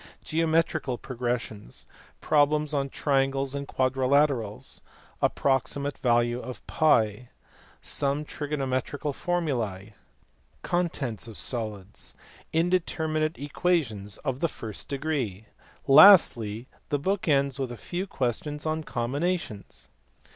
Geometrical pro gressions. Problems on triangles and quadrilaterals. Approxi mate value of TT. Some trigonometrical formulae. Contents of solids. Indeterminate equations of the first degree. Lastly the book ends with a few questions on combinations.